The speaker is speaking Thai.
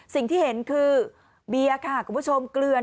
สิ่งที่เห็นคือเบียร์ค่ะคุณผู้ชมเกลือน